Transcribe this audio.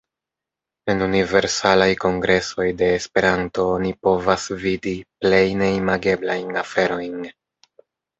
En Universalaj Kongresoj de Esperanto oni povas vidi plej neimageblajn aferojn.